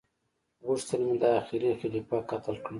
غوښتل مي دا اخيري خليفه قتل کړم